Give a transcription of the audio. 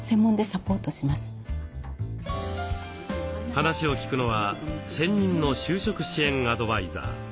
話を聞くのは専任の就職支援アドバイザー。